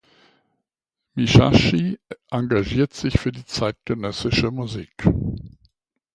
Misciasci engagiert sich für die zeitgenössische Musik.